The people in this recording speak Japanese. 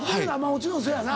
もちろんせやな。